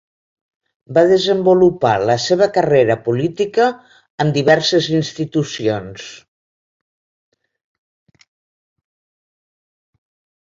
Va desenvolupar la seva carrera política en diverses institucions.